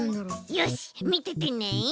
よしみててね！